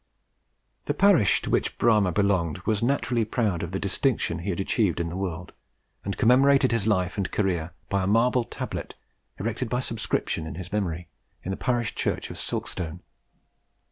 The parish to which Bramah belonged was naturally proud of the distinction he had achieved in the world, and commemorated his life and career by a marble tablet erected by subscription to his memory, in the parish church of Silkstone.